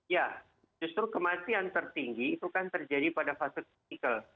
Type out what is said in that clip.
ya justru kematian tertinggi itu kan terjadi pada fase clical